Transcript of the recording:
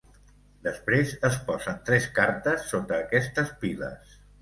Després es posen tres cartes sota aquestes piles.